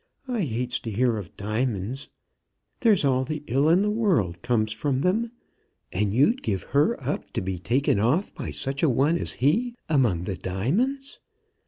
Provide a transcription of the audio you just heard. I hates to hear of diamonds. There's all the ill in the world comes from them; and you'd give her up to be taken off by such a one as he among the diamonds!